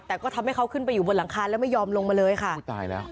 แต่ก็ทำให้เขาขึ้นไปอยู่บนหลังคาแล้วไม่ยอมลงมาเลยค่ะอุ้ยตายแล้ว